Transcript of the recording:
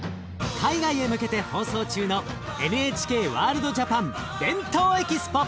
海外へ向けて放送中のＮＨＫワールドＪＡＰＡＮ「ＢＥＮＴＯＥＸＰＯ」！